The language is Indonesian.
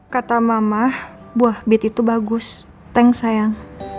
kata mama buah beet itu bagus thanks sayang